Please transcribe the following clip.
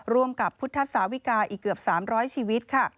ร่วมกับพุทธศาวิกาอีกเกือบ๓๐๐ชีวิตค่ะ